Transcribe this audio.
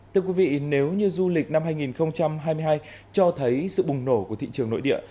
thưa quý vị nếu như du lịch năm hai nghìn hai mươi hai cho thấy sự bùng nổ của thị trường nội địa